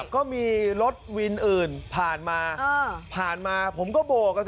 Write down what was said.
ก็มีรถวินอื่นผ่านมาผ่านมาผมก็โบกอ่ะสิ